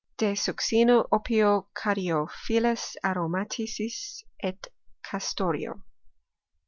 De succino, opio, caryophyllis aromaticis et castoreo.